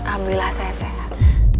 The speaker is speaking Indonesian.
ambil lah saya sehat